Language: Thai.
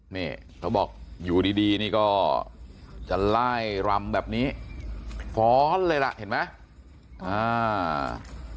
นี่เขาบอกอยู่ดีดีนี่ก็จะไล่รำแบบนี้ฟ้อนเลยล่ะเห็นไหมอ่า